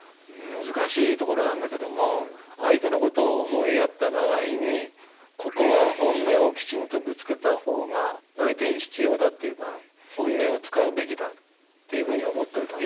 難しいところなんだけども相手のことを思いやった場合にここは「本音」をきちんとぶつけた方が相手に必要だっていう場合「本音」を使うべきだっていうふうに思っておいた方がいいと思うんですよね。